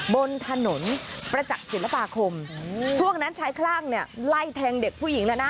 บนถนนประจักษ์ศิลปาคมช่วงนั้นชายคลั่งเนี่ยไล่แทงเด็กผู้หญิงแล้วนะ